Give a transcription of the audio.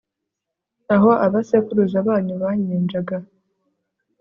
aho abasekuruza banyu banyinjaga